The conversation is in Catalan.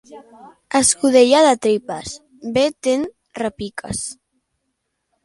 Escudella de tripes, bé te'n repiques.